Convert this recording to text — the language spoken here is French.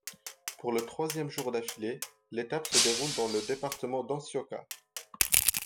Pour le troisième jour d'affilée, l'étape se déroule dans le département d'Antioquia.